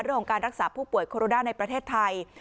เรื่องของการรักษาผู้ป่วยโคโรดาในประเทศไทย